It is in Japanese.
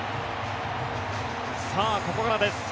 さあ、ここからです。